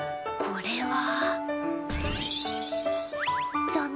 これは。